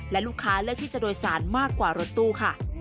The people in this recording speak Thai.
และลูกค้าเลือกที่จะโดยสารมากกว่ารถตู้ค่ะ